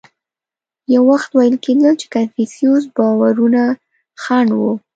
یو وخت ویل کېدل چې کنفوسیوس باورونه خنډ و.